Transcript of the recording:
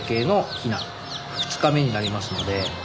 ２日目になりますので。